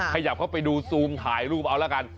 ขยับเข้าไปดูซูมถ่ายรูปเอาละกัน